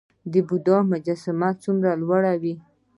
د بودا مجسمې څومره لوړې وې؟